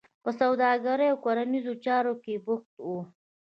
په سوداګرۍ او کرنیزو چارو کې بوخته وه.